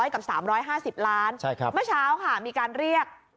๓๐๐กับ๓๕๐ล้านบาทค้าค่ะมีการเรียก